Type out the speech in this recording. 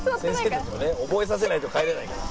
先生たちもね覚えさせないと帰れないから。